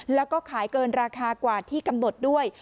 แล้วก็ขายเกินราคากว่าที่กำหนดด้วย